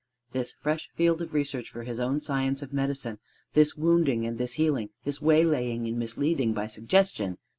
This fresh field of research for his own science of medicine this wounding and this healing, this waylaying and misleading, by suggestion.